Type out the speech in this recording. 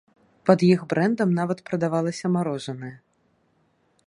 Пад іх брэндам нават прадавалася марожанае.